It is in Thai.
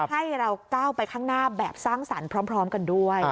ให้เราก้าวไปข้างหน้าแบบสร้างสรรค์พร้อมกันด้วย